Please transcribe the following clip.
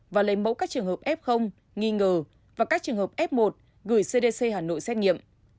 và lấy mẫu các trường hợp f nghi ngờ và các trường hợp f một gửi cdc hà nội xét nghiệm